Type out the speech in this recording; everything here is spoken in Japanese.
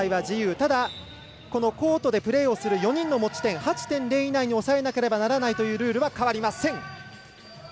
ただ、コートでプレーをする４人の持ち点８．０以内に抑えなければいけないというルールは変わりません。